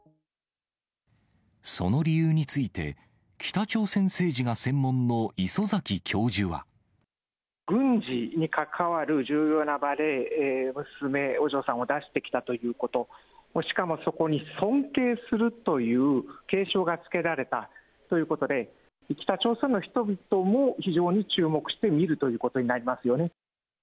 その理由について、軍事に関わる重要な場で、娘、お嬢さんを出してきたということ、しかもそこに、尊敬するという敬称が付けられたということで、北朝鮮の人々も、非常に注目して見るということになりますよね。